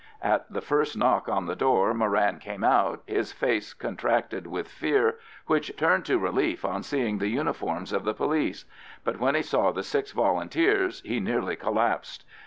At the first knock on the door Moran came out, his face contracted with fear, which turned to relief on seeing the uniforms of the police; but when he saw the six Volunteers he nearly collapsed.